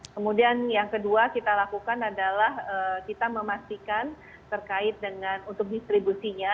kemudian yang kedua kita lakukan adalah kita memastikan terkait dengan untuk distribusinya